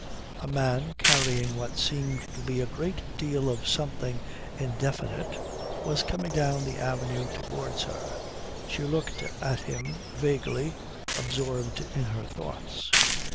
A man carrying what seemed to be a great deal of something indefinite was coming down the avenue towards her. She looked at him vaguely, absorbed in her thoughts.